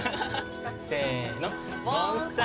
せの！